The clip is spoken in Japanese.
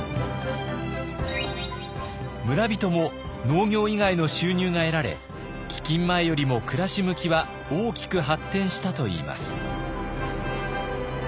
村人も農業以外の収入が得られ飢饉前よりも暮らし向きは大きく発展したといいます。